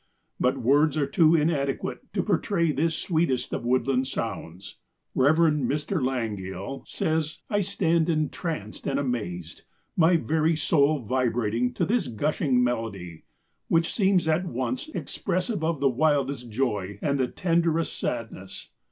But words are too inadequate to portray this sweetest of woodland sounds. Reverend Mr. Langille says: "I stand entranced and amazed, my very soul vibrating to this gushing melody, which seems at once expressive of the wildest joy and the tenderest sadness.